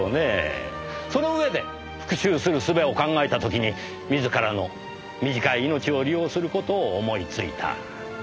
その上で復讐する術を考えた時に自らの短い命を利用する事を思いついた。